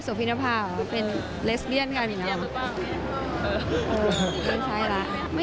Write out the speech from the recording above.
สวัสดีค่ะ